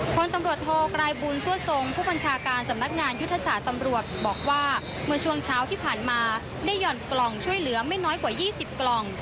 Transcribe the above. พลตำรวจโทกรายบุญซั่วทรงผู้บัญชาการสำนักงานยุทธศาสตร์ตำรวจบอกว่าเมื่อช่วงเช้าที่ผ่านมาได้หย่อนกล่องช่วยเหลือไม่น้อยกว่า๒๐กล่อง